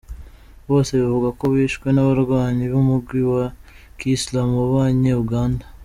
Bose bivugwa ko bishwe n'abarwanyi b'umugwi wa ki Islam w'abanye Uganda.